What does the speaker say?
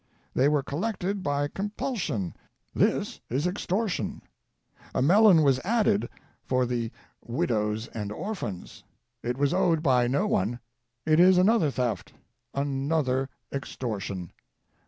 They were collected by com pulsion; this is extortion. A melon was added — for the widows 532 THE NORTH AMERICAN REVIEW. and orphans. It was owed by no one. It is another theft, an other extortion.